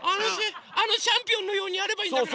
あのチャンピオンのようにそうそうやればいいんだから。